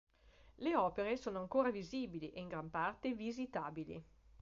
Le opere sono ancora visibili ed in gran parte visitabili.